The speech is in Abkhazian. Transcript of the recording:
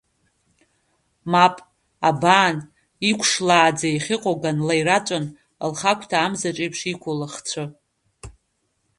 Мап, абан, иқәшлааӡа иахьыҟоу ганла ираҵәан, лхагәҭа амзаҿеиԥш иқәу лыхцәы.